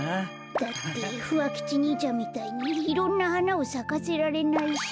だってふわ吉にいちゃんみたいにいろんなはなをさかせられないし。